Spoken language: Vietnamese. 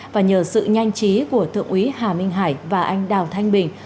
và nhờ sự nhanh trí của thượng úy hà minh hải và anh đào thanh bình